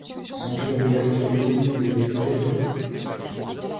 Sans troubler l’astronome et dérouter l’apôtre ?